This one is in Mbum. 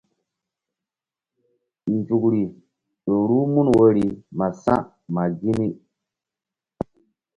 Nzukri ƴo ruh mun woyri ma sa̧ ma gini.